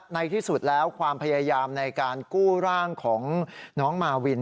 ในที่สุดแล้วความพยายามในการกู้ร่างของน้องมาวิน